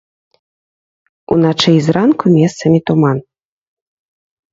Уначы і зранку месцамі туман.